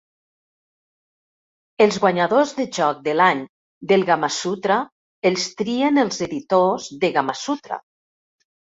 Els guanyadors de Joc de l'Any del Gamasutra els trien els editors de Gamasutra.